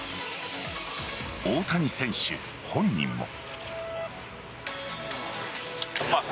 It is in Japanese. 大谷選手本人も。